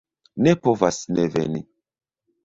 Ne povas ne veni.